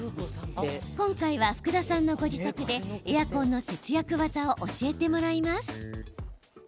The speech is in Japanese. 今回は福田さんのご自宅でエアコンの節約技を教えてもらいます。